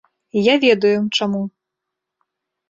І я ведаю, чаму.